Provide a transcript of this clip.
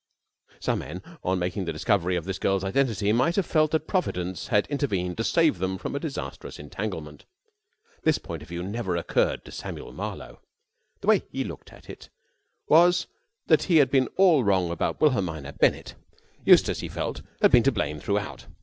Some men, on making the discovery of this girl's identity, might have felt that Providence had intervened to save them from a disastrous entanglement. This point of view never occurred to Samuel Marlowe. The way he looked at it was that he had been all wrong about Wilhelmina Bennett. Eustace, he felt, had been to blame throughout.